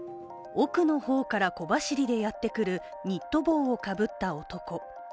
奥の方から小走りでやってくるニット帽をかぶった男。